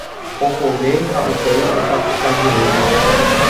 Ohove ha upéi osapukajey.